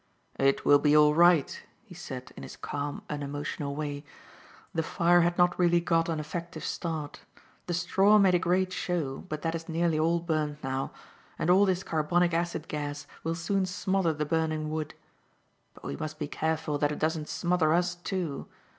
"It will be all right," he said in his calm, unemotional way; "the fire had not really got an effective start. The straw made a great show, but that is nearly all burnt now, and all this carbonic acid gas will soon smother the burning wood. But we must be careful that it doesn't smother us too.